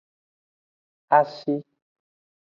Ashi.